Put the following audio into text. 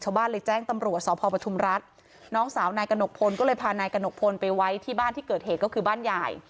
ชาวบ้านเลยแจ้งตำรวจสพปทุมรัฐน้องสาวนายกระหนกพลก็เลยพานายกระหนกพลไปไว้ที่บ้านที่เกิดเหตุก็คือบ้านใหญ่